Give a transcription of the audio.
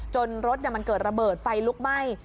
รถมันเกิดระเบิดไฟลุกไหม้